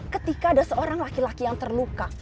ketika ada seorang laki laki yang terluka